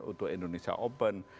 untuk indonesia open